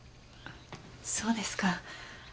そうですか。